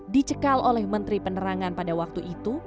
dicekal oleh menteri penerangan pada waktu itu